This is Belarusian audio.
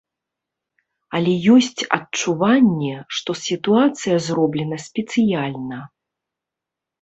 Але ёсць адчуванне, што сітуацыя зроблена спецыяльна.